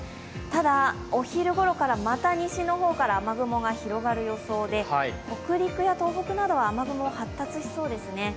ただ、お昼頃からまた西の方から雨雲が広がる予想で北陸や東北では雨雲が発達しそうですね。